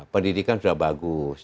pendidikan sudah bagus